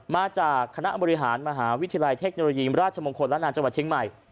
มาจากคณะบริหารมหาวิทยาลัยเทคโนโลยีมราชมงคลและนานจังหวัดเชียงใหม่